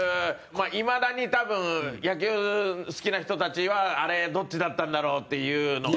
いまだに、多分野球、好きな人たちはあれ、どっちだったんだろう？っていうのが。